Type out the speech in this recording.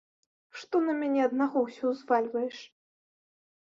Што на мяне аднаго ўсё ўзвальваеш?